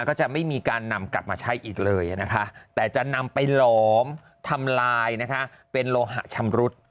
ก็จะไม่มีการนำกลับมาใช้อีกเลยนะคะแต่จะนำไปหลอมทำลายนะคะเป็นโลหะชำรุด